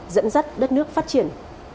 dẫn dắt đất nước phát triển